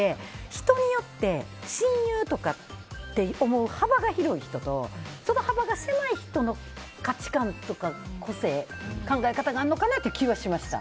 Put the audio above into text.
人によって親友とかって思う幅が広い人とその幅が狭い人の価値観とか個性、考え方があるのかなって気はしました。